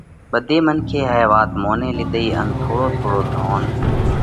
ٻڌي منکي هائي وات موني لِيڌئِي ان ٿوڙو ٿوڙو ڌونَ